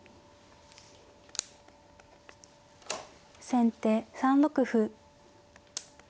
先手３六歩。